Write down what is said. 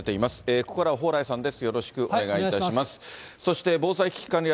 ここからは蓬莱さんです。